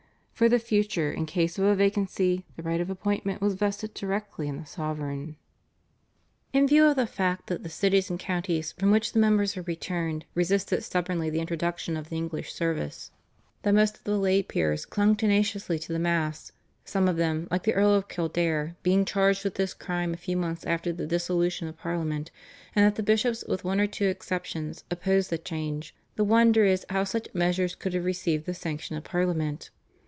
For the future in case of a vacancy the right of appointment was vested directly in the sovereign. In view of the fact that the cities and counties from which the members were returned resisted stubbornly the introduction of the English service, that most of the lay peers clung tenaciously to the Mass, some of them, like the Earl of Kildare, being charged with this crime a few months after the dissolution of Parliament, and that the bishops with one or two exceptions, opposed the change, the wonder is how such measures could have received the sanction of Parliament.